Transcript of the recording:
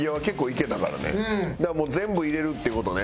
だからもう全部入れるって事ね。